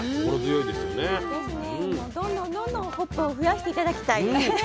もうどんどんどんどんホップを増やして頂きたいですね。